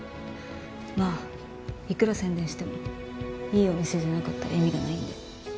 まあいくら宣伝してもいいお店じゃなかったら意味がないんで。